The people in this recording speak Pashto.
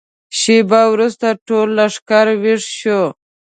شېبه وروسته ټول لښکر ويښ شو.